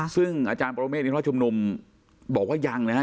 ซึ่งอาจารย์ปรเมฆนิทรชมนมบอกว่ายังนะฮะ